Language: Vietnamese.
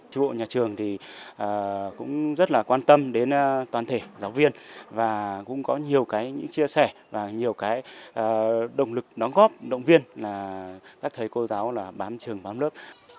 tri bộ nhà trường thì cũng rất là quan tâm đến toàn thể giáo viên và cũng có nhiều chia sẻ và nhiều động lực đóng góp động viên các thầy cô giáo bám trường bám lớp